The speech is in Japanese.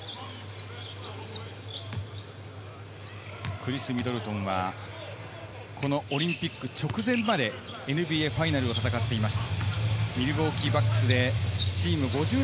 クリス・ミドルトンはこのオリンピック直前まで、ＮＢＡファイナルを戦っていました。